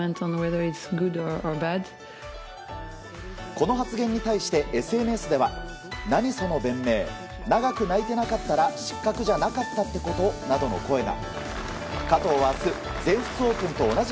この発言に対してＳＮＳでは何その弁明長く泣いてなかったら失格じゃなかったってこと？などの声が。